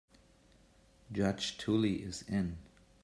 Judge Tully is in.